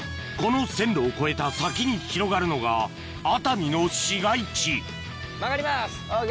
この線路を越えた先に広がるのが熱海の市街地曲がります。